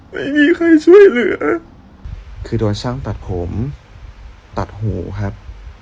ไม่มีใครช่วยเหลือคือโดนช่างตัดผมตัดหูครับ